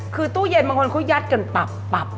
คือตู้เย็นบางคนที่ที่ปรับ